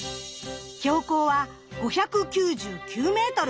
標高は５９９ｍ。